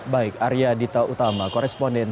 baik arya dita utama koresponden